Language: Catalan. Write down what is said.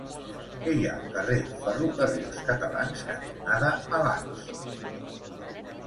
Què hi ha al carrer Ferrocarrils Catalans cantonada Malats?